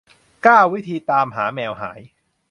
เก้า วิธีตามหาแมวหาย